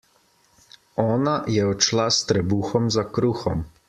Ona je odšla s trebuhom za kruhom.